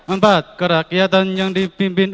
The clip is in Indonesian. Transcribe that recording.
empat kerakyatan yang dipimpin